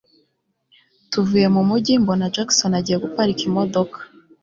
tuvuye mu mujyi mbona Jackson agiye guparika imodoka